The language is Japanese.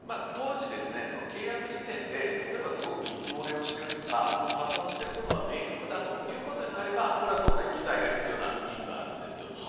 当時、契約時点で例えばすごく水漏れをしているとか破損してることが明確だということになれば当然、記載が必要な義務があるんですよ。